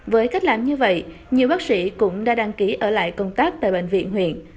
với cách làm như vậy nhiều bác sĩ cũng đã đăng ký ở lại công tác tại bệnh viện huyện